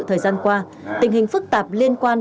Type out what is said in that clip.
thời gian qua tình hình phức tạp liên quan